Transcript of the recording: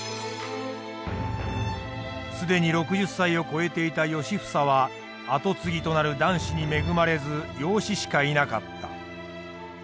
既に６０歳を越えていた良房は跡継ぎとなる男子に恵まれず養子しかいなかった。